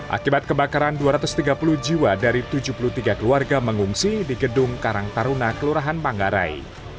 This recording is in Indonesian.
akibat kebakaran dua ratus tiga puluh jiwa dari tujuh puluh tiga keluarga mengungsi di gedung karang taruna kelurahan manggarai